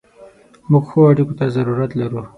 موږ ښو اړیکو ته ضرورت لرو.